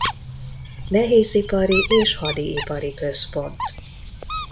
Nehézipari és hadiipari központ.